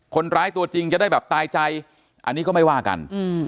ตัวจริงจะได้แบบตายใจอันนี้ก็ไม่ว่ากัน